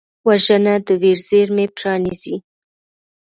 وژنه د ویر زېرمې پرانیزي